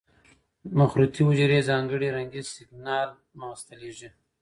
مخروطې حجرې ځانګړي رنګي سېګنال مغز ته لېږي.